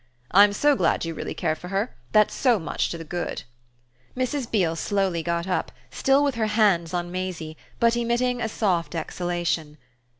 "I'm so glad you really care for her. That's so much to the good." Mrs. Beale slowly got up, still with her hands on Maisie, but emitting a soft exhalation.